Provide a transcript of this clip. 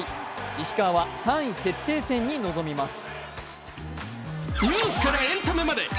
石川は３位決定戦に臨みます。